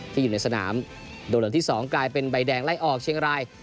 ที่อยู่ในสนามโดดอ๋นที่สองกลายเป็นใบแดงไล่ออกเชียงราย